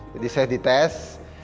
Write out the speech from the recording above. jadi saya dites